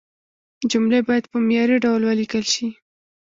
جملې باید په معياري ډول ولیکل شي.